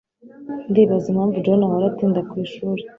Ndibaza impamvu John ahora atinda kwishuri.